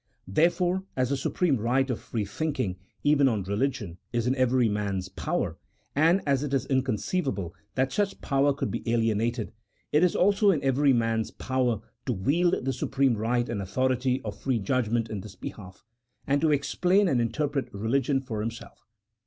Therefore, as the supreme right of free thinking, even on religion, is in every man's power, and as it is inconceivable CHAP. VII.] OF THE INTERPRETATION OF SCRIPTURE. 119 that such power could be alienated, it is also in every man's power to wield the supreme right and authority of free i'udgment in this behalf, and to explain and interpret re igion for himself.